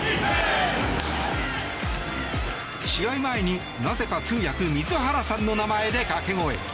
試合前に、なぜか通訳、水原さんの名前で掛け声。